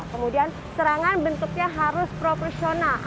kemudian serangan bentuknya harus proporsional